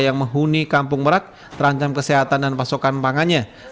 yang menghuni kampung merak terancam kesehatan dan pasokan pangannya